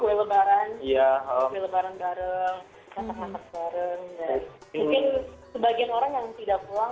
mungkin sebagian orang yang tidak pulang memang akan ada di sini